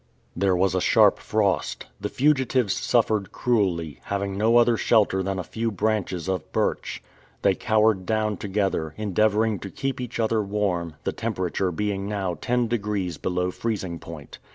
There was a sharp frost. The fugitives suffered cruelly, having no other shelter than a few branches of birch. They cowered down together, endeavoring to keep each other warm, the temperature being now ten degrees below freezing point.